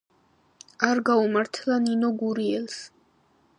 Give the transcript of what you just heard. არ გაუმართლა ნინო გურიელს.